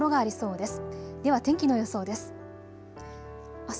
では天気の予想です。